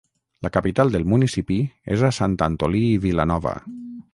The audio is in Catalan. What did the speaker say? La capital del municipi és a Sant Antolí i Vilanova.